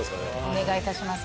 お願いいたします